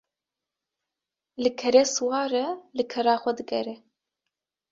Li kerê siwar e li kera xwe digere